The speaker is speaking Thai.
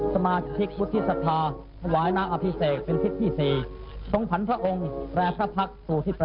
จากนั้นเวลา๑๑นาฬิกาเศรษฐ์พระธินั่งไพรศาลพักศิลป์